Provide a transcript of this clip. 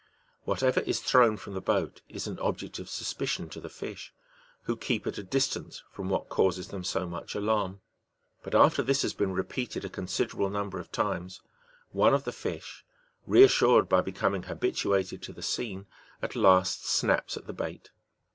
Whatever is thrown from the boat is an object of suspicion to the fish, who keep at a distance from what causes them so much alarm ; but after this has been repeated a considerable number of times, one of the fish, reassured by becoming habituated to the scene, at last snaps at the bait.